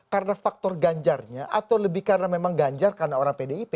karena faktor ganjarnya atau lebih karena memang ganjar karena orang pdip